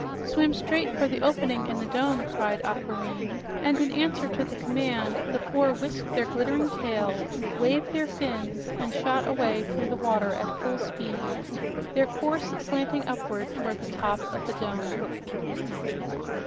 "Swim straight for the opening in the dome!" cried Aquareine, and in answer to the command, the four whisked their glittering tails, waved their fins, and shot away through the water at full speed, their course slanting upward toward the top of the dome.